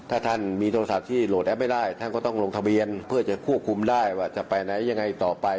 ถ้าท่านมีโทรศัพท์ที่โหลดแอปไม่ได้ท่านก็ต้องลงทะเบียนเพื่อจะควบคุมได้ว่าจะไปไหนยังไงต่อไป